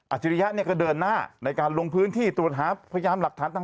อาชิริยะเกิดเดินหน้าในการลงพื้นที่ตรวจหาพยายามหลักฐานต่าง